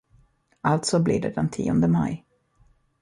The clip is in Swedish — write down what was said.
Alltså blir det den tionde maj.